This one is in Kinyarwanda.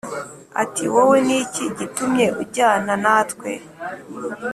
ati “Wowe ni iki gitumye ujyana natwe?